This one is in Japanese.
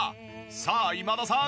さあ今田さん